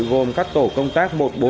gồm các tổ công tác một trăm bốn mươi bốn